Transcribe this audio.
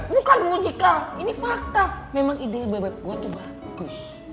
bukan muji kak ini fakta memang ide beb beb gue tuh bagus